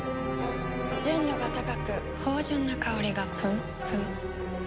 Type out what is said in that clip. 純度が高く芳醇な香りがプンプン。